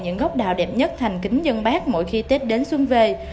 những gốc đào đẹp nhất thành kính dân bác mỗi khi tết đến xuân về